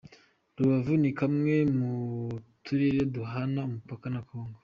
Rubavu ni kamwe mu turere duhana umupaka na Congo.